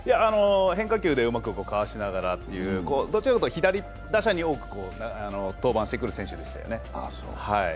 変化球でうまくかわしながらっていう、どちらかというと左打者に多く登板してくる選手でしたよね。